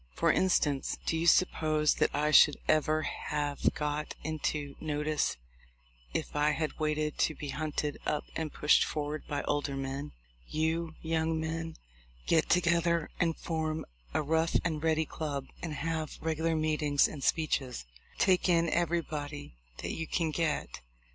For instance, do you suppose that I should ever have got into notice if I had waited to be hunted up and pushed forward by older men? You young men get together and form a Rough and Ready club, and have regular meetings and speeches. Take in everybody that you can get